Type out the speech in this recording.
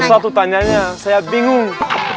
satu tanyanya saya bingung